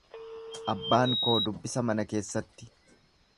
Abbaan koo dubbisa mana keessatti.